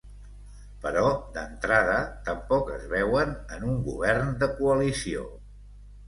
Però d’entrada tampoc es veuen en un govern de coalició.